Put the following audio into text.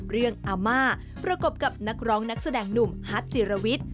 อาม่าประกบกับนักร้องนักแสดงหนุ่มฮัทจิรวิทย์